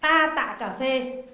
ta tạ cà phê